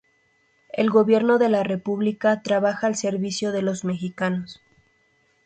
El gobierno de la República trabaja al servicio de los mexicanos...".